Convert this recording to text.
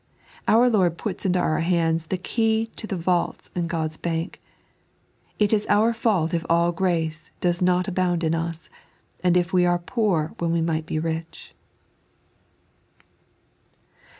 Our Lord puts into oiu" hands the key to the vaults in God's bank. It is our fault if all grace does not abound in us, and if we are poor when we might be rich.